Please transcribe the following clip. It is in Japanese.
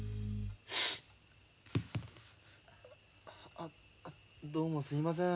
あどうもすいません。